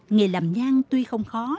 người làm nhang tuy không khó